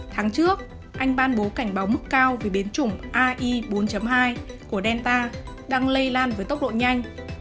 tháng trước anh ban bố cảnh báo mức cao về biến chủng ai bốn hai của delta đang lây lan với tốc độ nhanh